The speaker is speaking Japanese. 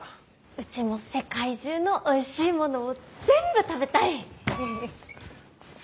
うちも世界中のおいしいものを全部食べたい！